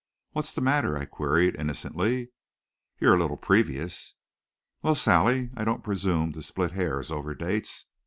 "What's the matter?" I queried innocently. "You're a little previous." "Well, Sally, I don't presume to split hairs over dates.